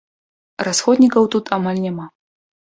Расходнікаў тут амаль няма.